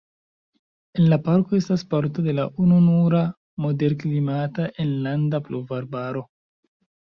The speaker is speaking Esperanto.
En la parko estas parto de la ununura moderklimata enlanda pluvarbaro.